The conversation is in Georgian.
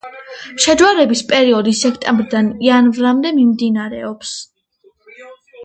შეჯვარების პერიოდი სექტემბრიდან იანვრამდე მიმდინარეობს.